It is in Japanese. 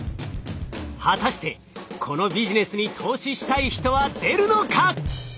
果たしてこのビジネスに投資したい人は出るのか？